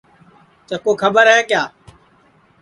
چکُُو کھٻر ہے کیا